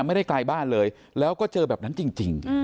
ไม่ได้ไกลบ้านเลยแล้วก็เจอแบบนั้นจริง